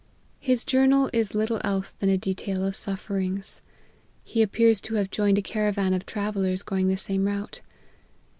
His journal is little else than a detail of Bufferings. He appears to have joined a caravan of travellers going the same route.